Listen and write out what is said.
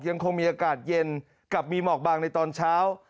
ยังคงมีอากาศเย็นกับมีหมอกบางในตอนเช้า